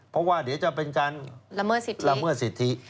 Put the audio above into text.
เพราะว่าเดี๋ยวจะเป็นการละเมิดสิทธิ